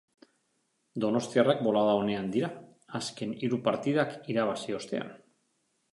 Donostiarrak bolada onean dira, azken hiru partidak irabazi ostean.